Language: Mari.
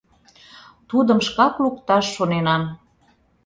— Тудым шкак лукташ шоненам.